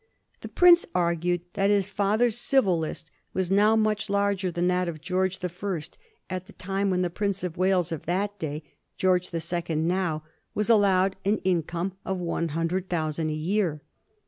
The prince argued that his father's civil list was now much larger than that of George the First at the time when the Prince of Wales of that day, George the Second now, was allowed an income of one 78 A HISTORY OF THE FOUR GEORGiS. olxxt. hundred thousand a year.